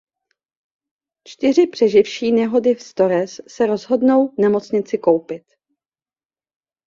Čtyři přeživší nehody s Torres se rozhodnou nemocnici koupit.